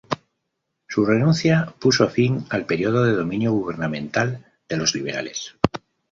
Su renuncia puso fin al periodo de dominio gubernamental de los liberales.